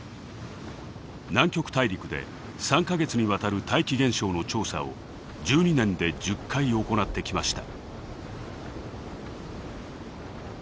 南極大陸で３か月にわたる大気現象の調査を１２年で１０回行ってきました。